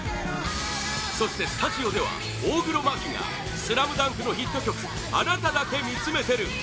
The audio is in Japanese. そしてスタジオでは大黒摩季が「ＳＬＡＭＤＵＮＫ」のヒット曲「あなただけ見つめてる」